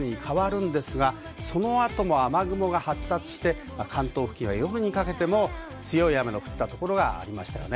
午後３時になると、温帯低気圧に変わるんですが、そのあとも雨雲が発達して関東付近は夜にかけても強い雨の降った所がありました。